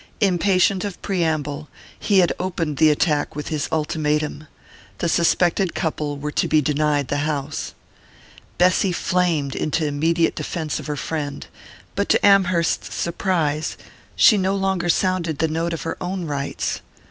Impatient of preamble, he had opened the attack with his ultimatum: the suspected couple were to be denied the house. Bessy flamed into immediate defence of her friend; but to Amherst's surprise she no longer sounded the note of her own rights.